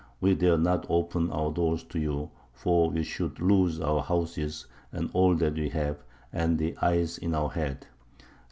We dare not open our doors to you, for we should lose our houses and all that we have, and the eyes in our head.